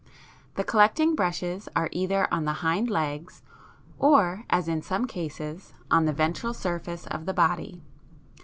The collecting brushes are either on the hind legs or, as in some cases, on the ventral surface of the body.